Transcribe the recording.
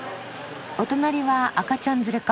お隣は赤ちゃん連れか。